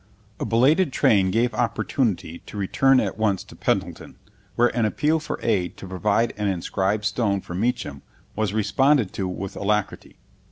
A belated train gave opportunity to return at once to Pendleton, where an appeal for aid to provide an inscribed stone for Meacham was responded to with alacrity.